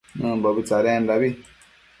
Nëmbobi tsadendabi